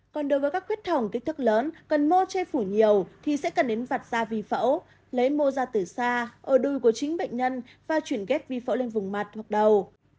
còn đối với các khuyết hồng kích thước lớn cần mô chê phủ nhiều thì sẽ cần đến vặt ra vi phẫu lấy mô ra từ xa ở đuôi của chính bệnh nhân và chuyển ghép vi phẫu lên vùng mặt hoặc đầu